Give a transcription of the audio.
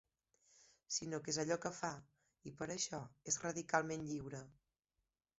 ...sinó que és allò que fa, i per això és radicalment lliure.